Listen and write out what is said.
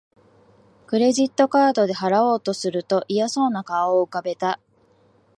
クレジットカードで払おうとすると嫌そうな顔を浮かべた